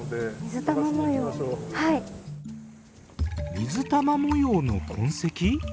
水玉模様の痕跡？